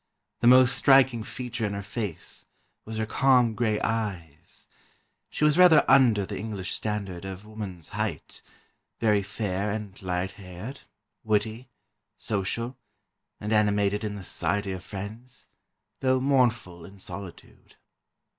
The most striking feature in her face was her calm gray eyes; she was rather under the English standard of woman's height, very fair and light haired, witty, social, and animated in the society of friends, though mournful in solitude."